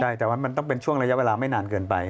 ใช่แต่ว่ามันต้องเป็นช่วงระยะเวลาไม่นานเกินไป